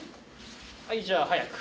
はいじゃあ速く。